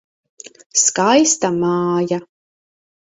Skaista māja.